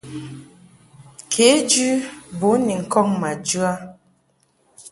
Kejɨ bun ni ŋkɔŋ ma jɨ a.